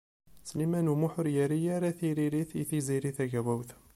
Sliman U Muḥ ur yerri ara tiririt i Tiziri Tagawawt.